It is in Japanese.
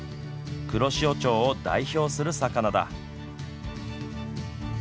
黒潮町を代表する魚だ。